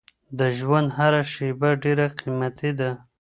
د ژوند هره شېبه ډېره قیمتي ده.